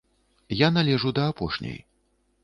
Я належу да апошняй.